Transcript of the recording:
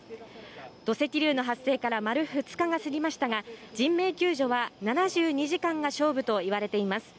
土石流の発生から丸２日が過ぎましたが、人命救助は７２時間が勝負と言われています。